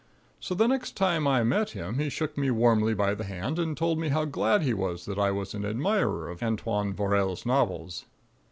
So, the next time I met him, he shook me warmly by the hand, and told me how glad he was that I was an admirer of Antoine Vaurelle's novels.